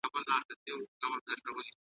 سندریز شعرونه هم ولیکل ,